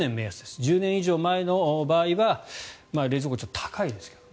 １０年以上前の場合は冷蔵庫、高いですけどね